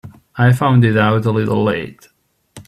I found it out a little late.